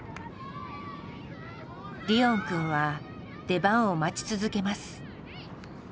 リオンくんは出番を待ち続けます。